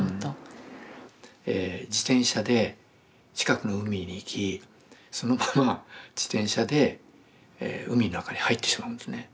え自転車で近くの海に行きそのまま自転車で海の中に入ってしまうんですね。